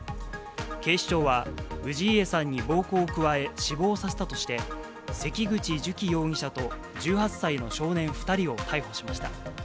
警視庁は、氏家さんに暴行を加え、死亡させたとして、関口寿喜容疑者と１８歳の少年２人を逮捕しました。